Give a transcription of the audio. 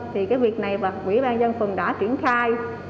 thì cái việc này quỹ ban nhân phường đã triển khai